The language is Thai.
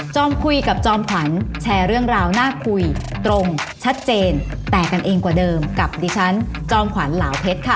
คุยกับจอมขวัญแชร์เรื่องราวน่าคุยตรงชัดเจนแตกกันเองกว่าเดิมกับดิฉันจอมขวัญเหลาเพชรค่ะ